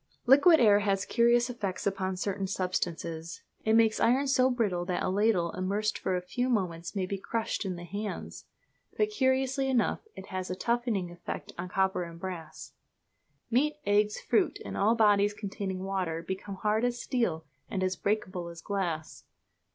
Liquid air has curious effects upon certain substances. It makes iron so brittle that a ladle immersed for a few moments may be crushed in the hands; but, curiously enough, it has a toughening effect on copper and brass. Meat, eggs, fruit, and all bodies containing water become hard as steel and as breakable as glass.